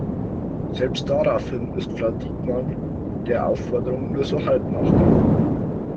Selbst daraufhin ist Frau Diekmann der Aufforderung nur so halb nachgekommen.